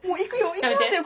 行きますよ